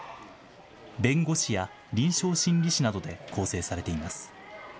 弁護士や臨床心理士などで構成されています。